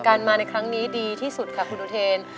มาในครั้งนี้ดีที่สุดค่ะคุณอุเทน